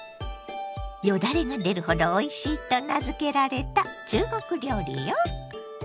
よだれが出るほどおいしいと名付けられた中国料理よ。